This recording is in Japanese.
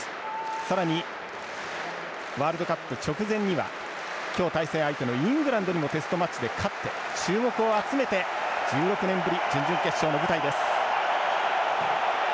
さらにワールドカップ直前には今日、対戦相手のイングランドにもテストマッチで勝って、注目を集めて１６年ぶり準々決勝の舞台です。